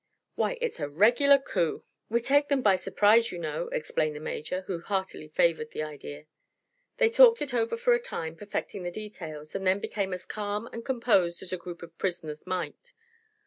Why it's a regular coup!" "We take them by surprise, you know," explained the Major, who heartily favored the idea. They talked it over for a time, perfecting the details, and then became as calm and composed as a group of prisoners might.